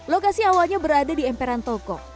lokasi awalnya berada di emperan toko